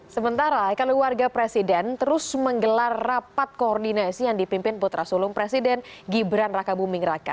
sementara keluarga presiden terus menggelar rapat koordinasi yang dipimpin putra sulung presiden gibran raka buming raka